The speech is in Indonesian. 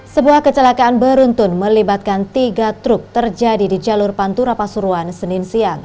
sebuah kecelakaan beruntun melibatkan tiga truk terjadi di jalur pantura pasuruan senin siang